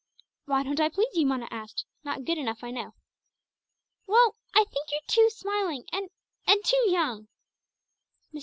"Why don't I please you?" Mona asked. "Not good enough, I know." "Well, I think you're too smiling and and too young." Mr.